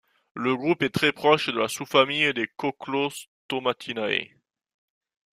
Le groupe est très proche de la sous-famille des Cochlostomatinae.